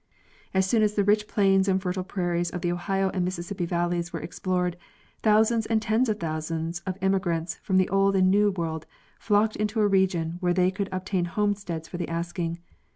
As soon as the rich plains and fertile prairies of the Ohio and Mississippi valleys were ex plored, thousands and tens of thousands of emigrants from the Old and New World flocked into a region where they could ob tain homesteads for the asking.